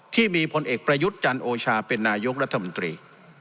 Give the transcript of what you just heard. ที่มีพเอกประยุทธ์จันทร์โอชาเป็นนายุครัฐมนตรี